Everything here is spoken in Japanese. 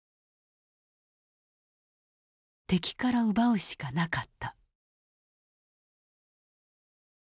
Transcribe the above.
敵から奪うしかなかった。